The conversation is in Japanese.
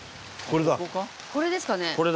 これですかね？